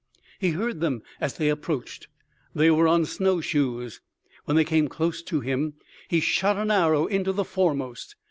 He heard them as they approached. They were on snow shoes. When they came close to him, he shot an arrow into the foremost.